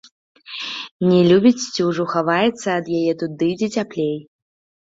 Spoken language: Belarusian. Не любіць сцюжу, хаваецца ад яе туды, дзе цяплей.